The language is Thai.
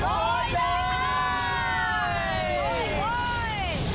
โรยเลยค่ะ